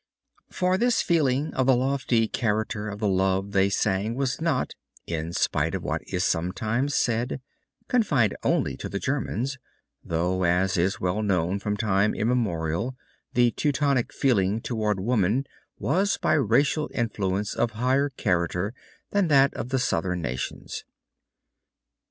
For this feeling of the lofty character of the love they sang was not, in spite of what is sometimes said, confined only to the Germans, though as is well known from time immemorial the Teutonic feeling towards woman was by racial influence of higher character than that of the southern Nations.